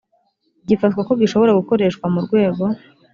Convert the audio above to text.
gifatwa ko gishobora gukoreshwa mu rwego